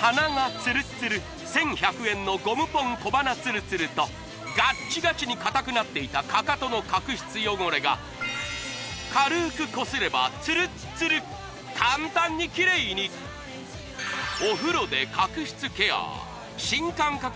鼻がつるつる１１００円のゴムポン小鼻つるつるとガッチガチにかたくなっていたかかとの角質汚れが軽くこすればつるっつる簡単にキレイにお風呂で角質ケア新感覚